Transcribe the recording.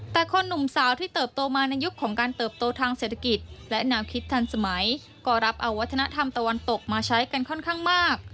แต่คนหนุ่มสาวที่เติบโตมาในยุคของการเติบโตทางเศรษฐกิจและแนวคิดทันสมัยก็รับเอาวัฒนธรรมตะวันตกมาใช้กันค่อนข้างมาก